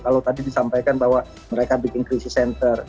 kalau tadi disampaikan bahwa mereka bikin krisis center